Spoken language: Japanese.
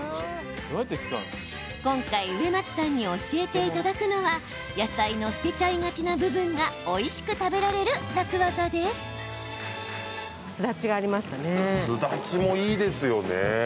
今回、植松さんに教えていただくのは野菜の捨てちゃいがちな部分がおいしく食べられる楽ワザです。